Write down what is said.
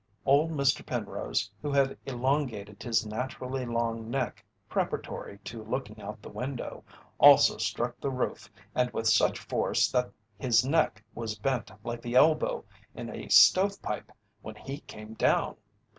Old Mr. Penrose, who had elongated his naturally long neck preparatory to looking out the window, also struck the roof and with such force that his neck was bent like the elbow in a stove pipe when he came down.